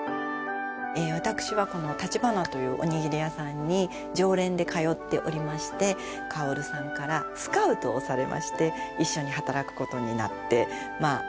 私はこのたちばなというおにぎり屋さんに常連で通っておりまして香さんからスカウトをされまして一緒に働くことになってまあ